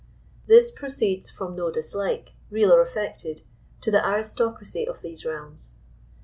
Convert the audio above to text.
This proceeds from no dislike, real or affected, to the aristocracy of these realms.